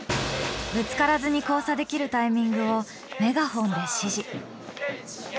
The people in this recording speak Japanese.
ぶつからずに交差できるタイミングをメガホンで指示。